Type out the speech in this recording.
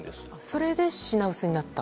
それで品薄になった？